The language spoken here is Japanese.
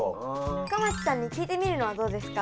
深町さんに聞いてみるのはどうですか？